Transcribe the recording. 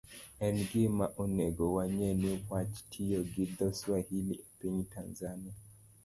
En gima onego wang'e ni wach tiyo gi dho-Swahili e piny Tanzania,